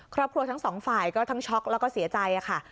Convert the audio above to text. ครอบครัวทั้งสองฝ่ายก็ทั้งช็อกแล้วก็เสียใจค่ะ